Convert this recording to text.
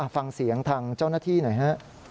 ฟังเสียงทางเจ้าหน้าที่หน่อยฮะ